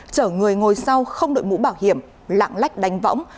chở người ngồi sau không đội mũ bảo hiểm lạng lách đánh võng